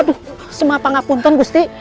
aduh semua apa apa pun gusti